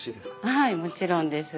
はいもちろんです。